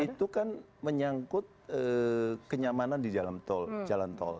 itu kan menyangkut kenyamanan di dalam jalan tol